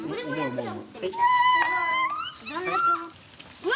うわ！